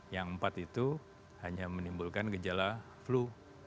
yang empat itu hanya menimbulkan gejala flu